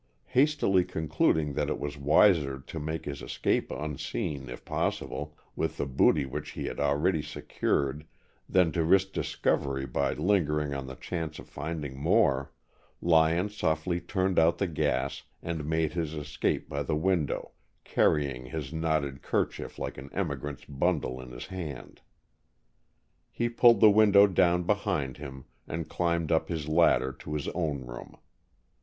Hastily concluding that it was wiser to make his escape unseen, if possible, with the booty which he had already secured than to risk discovery by lingering on the chance of finding more, Lyon softly turned out the gas, and made his escape by the window, carrying his knotted kerchief like an emigrant's bundle in his hand. He pulled the window down behind him and climbed up his ladder to his own room.